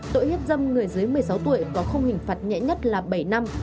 tội hiếp dâm người dưới một mươi sáu tuổi có khung hình phạt nhẹ nhất là bảy năm